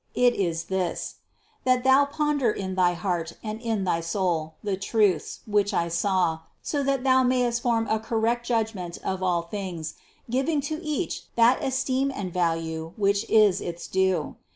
It is this : that thou ponder in thy heart and in thy soul the truths, which I saw, so that thou mayest form a cor rect judgment of all things, giving to each that esteem and value which is its due.